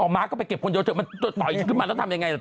อ๋อมาก็ไปเก็บคนเดียวเธอมาต่อยขึ้นมาแล้วทำยังไง